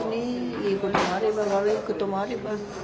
いいこともあれば悪いこともあれば。